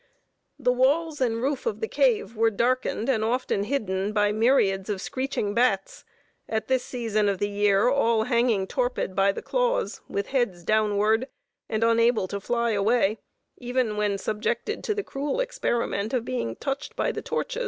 The walls and roof of the cave were darkened and often hidden by myriads of screeching bats, at this season of the year all hanging torpid by the claws, with heads downward, and unable to fly away, even when subjected to the cruel experiment of being touched by the torches.